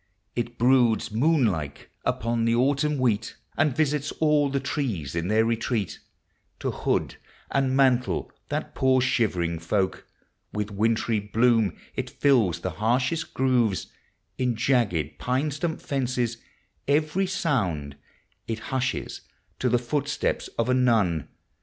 It broods moon like upon the Autumn wheat, And visits all the trees in their retreal To hood and mantle that poor shivering folk. With wintry bloom it fills the liarshost gTOOVefl In jagged pine stump fences. K\< r\ Bound It hushes to the footstep of a nun.